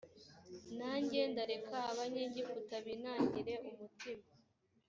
nanjye ndareka abanyegiputa binangire umutima